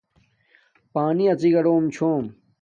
پانی اڅی گاڈم چھوم